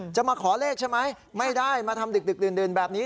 จะมาขอเลขใช่ไหมไม่ได้มาทำดึกดื่นแบบนี้